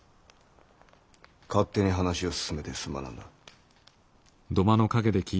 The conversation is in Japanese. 勝手に話を進めてすまなんだ。